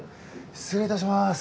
失礼いたします。